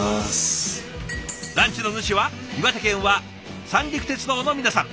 ランチの主は岩手県は三陸鉄道の皆さん。